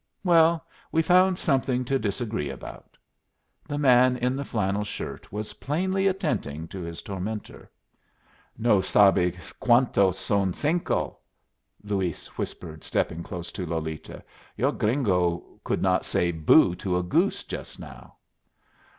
Well, we found something to disagree about." The man in the flannel shirt was plainly attending to his tormentor. "No sabe cuantos son cinco," Luis whispered, stepping close to Lolita. "Your gringo could not say boo to a goose just now."